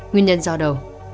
nguyên nhân do đầu